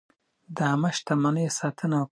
د عامه شتمنیو ساتنه وکړئ.